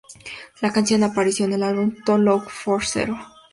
La canción apareció en el álbum "Too Low For Zero".